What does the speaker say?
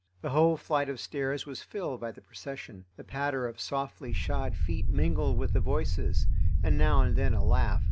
The whole flight of stairs was filled by the procession. The patter of softly shod feet mingled with the voices and now and then a laugh.